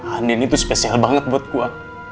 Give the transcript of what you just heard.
andin itu spesial banget buat gue